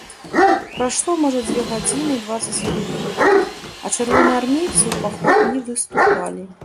Прайшло, можа, дзве гадзіны і дваццаць хвілін, а чырвонаармейцы ў паход не выступалі.